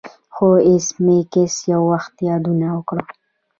خو ایس میکس یو وخت یادونه وکړه